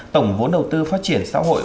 tổng vốn đầu tư phát triển xã hội